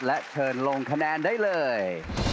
และเชิญลงคะแนนได้เลย